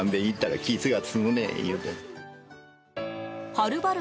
はるばる